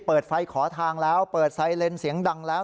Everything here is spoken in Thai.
เปิดไฟขอทางแล้วเปิดไซเลนเสียงดังแล้ว